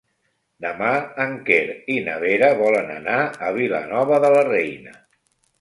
Demà en Quer i na Vera volen anar a Vilanova de la Reina.